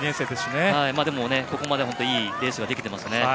でも、ここまで本当にいいレースができていますね。